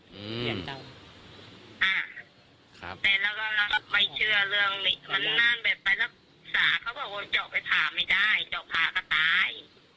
มันนั่นไปรักษาเขาบอกว่าเจาะไปผ่าไม่ได้เจาะผ่าก็ตาย